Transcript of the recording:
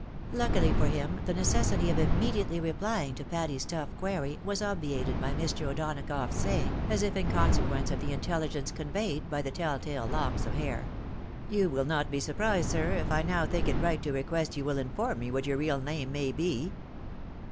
Luckily for bim the necessity of immediately replying to, Patty's tough query was obviated by Mr. O'Donagough's saying, as if in consequence of Hid intelligence conveyed by the tell tale locks of hair, " You will not be surprised, sir, if I now think it right to request you will inform me what your real name may fes